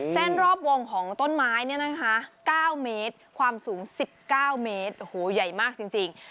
แส้นรอบวงของต้นไม้เนี่ยนะคะเก้าเมตรความสูงสิบเก้าเมตรโอ้โหใหญ่มากจริงจริง